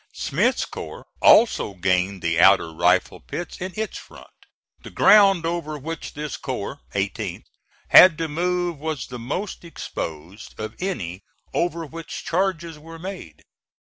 Smith's corps also gained the outer rifle pits in its front. The ground over which this corps (18th) had to move was the most exposed of any over which charges were made.